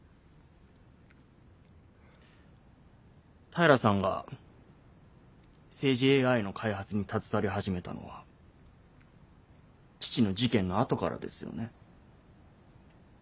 平さんが政治ＡＩの開発に携わり始めたのは父の事件のあとからですよね？